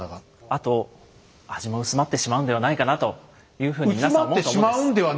あと味も薄まってしまうんではないかなというふうに皆さん思うと思うんです。